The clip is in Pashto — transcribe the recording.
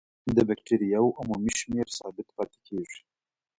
د بکټریاوو عمومي شمېر ثابت پاتې کیږي.